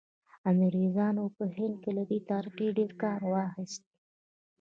انګریزانو په هند کې له دې طریقې ډېر کار واخیست.